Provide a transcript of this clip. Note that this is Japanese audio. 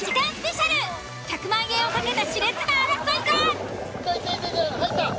１００万円を懸けた熾烈な争いが！